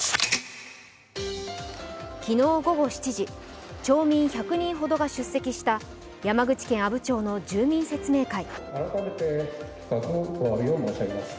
昨日午後７時、町民１００人ほどが出席した山口県阿武町の住民説明会。